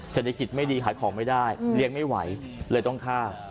เศรษฐกิจไม่ดีขายของไม่ได้เลี้ยงไม่ไหวเลยต้องฆ่า